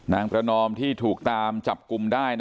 ประนอมที่ถูกตามจับกลุ่มได้